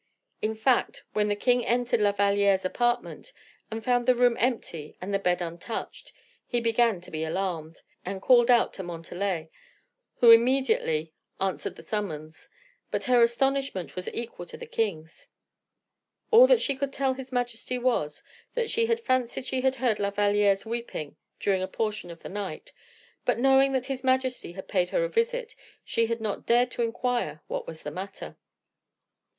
In fact, when the king entered La Valliere's apartment and found the room empty and the bed untouched, he began to be alarmed, and called out to Montalais, who immediately answered the summons; but her astonishment was equal to the king's. All that she could tell his majesty was, that she had fancied she had heard La Valliere's weeping during a portion of the night, but, knowing that his majesty had paid her a visit, she had not dared to inquire what was the matter.